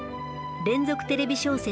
連続テレビ小説